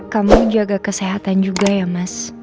kamu jaga kesehatan juga ya mas